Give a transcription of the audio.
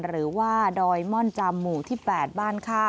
หรือว่าดอยม่อนจามหมู่ที่๘บ้านค่า